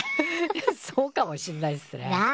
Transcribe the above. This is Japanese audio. そうかもしんないっすね。なあ？